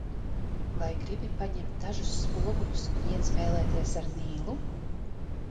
Vai gribi paņemt dažus spoguļus un iet spēlēties ar Nīlu?